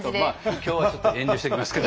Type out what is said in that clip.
今日はちょっと遠慮しときますけど。